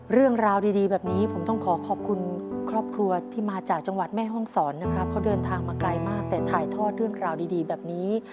เรื่องราวดีแบบนี้ผมต้องขอขอบคุณครอบครัวที่มาจากจังหวัดแม่ห้องศรนะครับเขาเดินทางมาไกลมากแต่ถ่ายทอดเรื่องราวดีแบบนี้